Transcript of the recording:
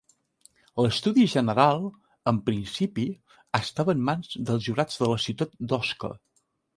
L'Estudi General, en principi, estava en mans dels jurats de la ciutat d'Osca.